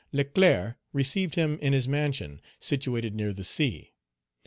Leclerc received him in his mansion, situated near the sea.